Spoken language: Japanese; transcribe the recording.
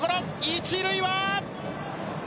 一塁は。